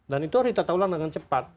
dan itu harus ditata ulang dengan cepat